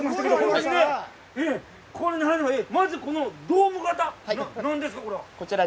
まず、このドーム型、何ですか、これは。